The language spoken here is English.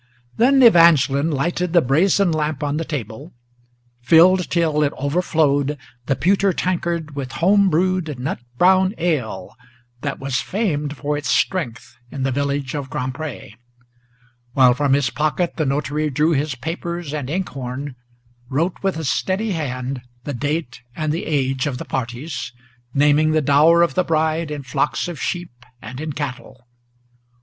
Then Evangeline lighted the brazen lamp on the table, Filled, till it overflowed, the pewter tankard with home brewed Nut brown ale, that was famed for its strength in the village of Grand Pré; While from his pocket the notary drew his papers and inkhorn, Wrote with a steady hand the date and the age of the parties, Naming the dower of the bride in flocks of sheep and in cattle.